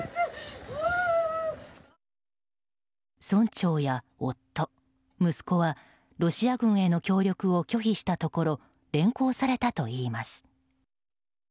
村長や夫、息子はロシア軍への協力を拒否したところ連行されたといいます。